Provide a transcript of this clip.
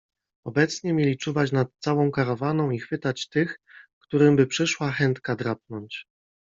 Obecnie mieli czuwać nad całą karawaną i chwytać tych, którym by przyszła chętka drapnąć.